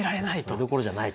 それどころじゃないと。